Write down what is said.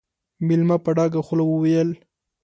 مېلمه په ډکه خوله وويل: